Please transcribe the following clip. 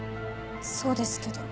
そうですけど。